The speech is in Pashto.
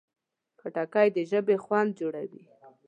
خټکی د ژبې خوند جوړوي.